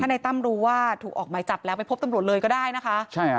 ในตั้มรู้ว่าถูกออกหมายจับแล้วไปพบตำรวจเลยก็ได้นะคะใช่ค่ะ